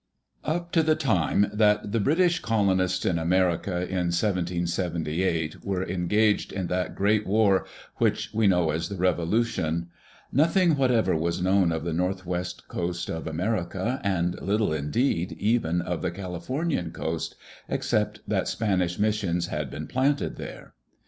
Up to the time that the British colonists in America, in 1778, were engaged in that great war which we know as the Revolution, nothing whatever was known of the Northwest Coast of America and little indeed even of the Califomian coast except that Spanish missions had been planted there.